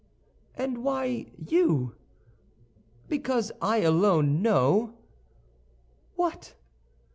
"And why you?" "Because I alone know—" "What?"